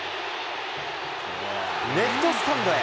レフトスタンドへ。